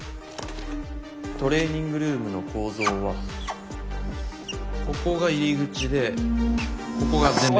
トレーニングルームの構造はここが入り口でここが全面窓。